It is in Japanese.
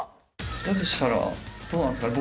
だとしたらどうなんですかね。